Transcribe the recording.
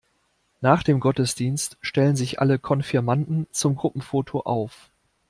Nach dem Gottesdienst stellen sich alle Konfirmanden zum Gruppenfoto auf.